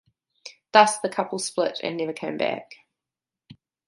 Thus, the couple split and never came back.